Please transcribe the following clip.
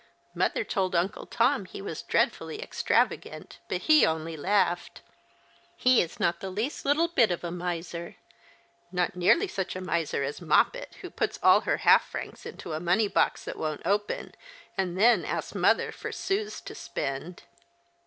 Mother told Uncle Tom he was dreadfully extravagant ; but he only laughed. He is not the least little bit of a miser ; not nearly such a miser as Moppet, who puts all her half francs into a money box that won't open, and then asks mother for sous to spend."